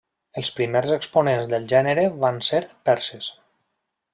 Els primers exponents del gènere van ser perses.